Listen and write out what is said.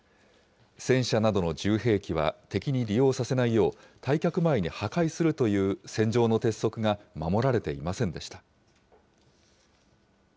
戦車などの重兵器は敵に利用させないよう、退却前に破壊するという戦場の鉄則が守られていませんでした。